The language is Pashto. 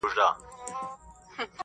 چي زما یادیږي دا قلاوي دا سمسور باغونه٫